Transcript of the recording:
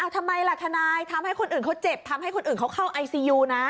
ทำไมล่ะทนายทำให้คนอื่นเขาเจ็บทำให้คนอื่นเขาเข้าไอซียูนะ